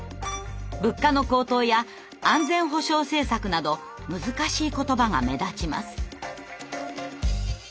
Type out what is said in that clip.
「物価の高騰」や「安全保障政策」など難しい言葉が目立ちます。